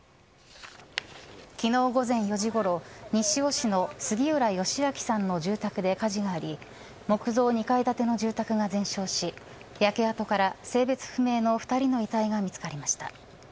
昨日、午前４時ごろ西尾市の杉浦義明さんの住宅で火事があり木造２階建ての住宅が全焼し焼け跡から性別不明の２人の遺体が見つかりました。